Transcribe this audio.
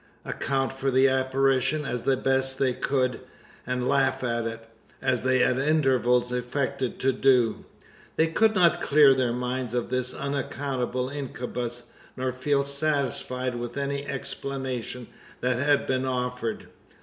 Account for the apparition as they best could, and laugh at it as they at intervals affected to do they could not clear their minds of this unaccountable incubus, nor feel satisfied with any explanation that had been offered.